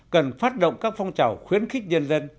cần phát động các phong trào khuyến khích nhân dân